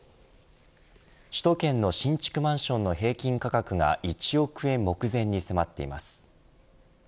首都圏の新築マンションの平均価格が１億円目前に迫っています。